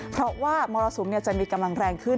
เพราะว่ามรสุมจะมีกำลังแรงขึ้น